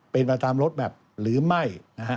เป็นมาตามลดแบบหรือไม่